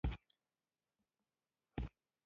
هاوکېنګ د څو کایناتونو د امکان په اړه ښکاره خبرې وکړي.